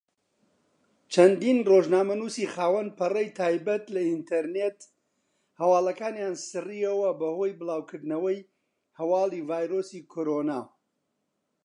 چەندین ڕۆژنامەنووسی خاوەن پەڕەی تایبەت لە ئینتەرنێت هەواڵەکانیان سڕیەوە بەهۆی بڵاوکردنەوەی هەواڵی ڤایرۆسی کۆڕۆنا.